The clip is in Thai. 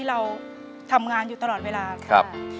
นั่นเราทำงานอยู่ตลอดเวลา